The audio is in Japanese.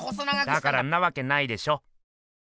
だからんなわけないでしょ。